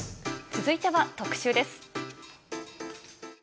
続いては特集です。